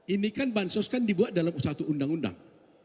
ini kan bansos kan dibuat dalam satu undang undang